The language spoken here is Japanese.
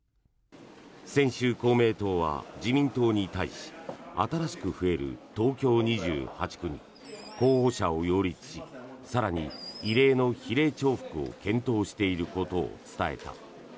先週、公明党は自民党に対し新しく増える東京２８区に候補者を擁立し更に、異例の比例重複を検討していることを伝えた。